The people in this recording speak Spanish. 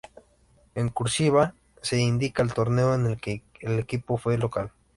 En "cursiva" se indica el torneo en que el equipo fue local.